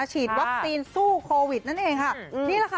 ฉีดวัคซีนสู้โควิดนั่นเองค่ะนี่แหละค่ะ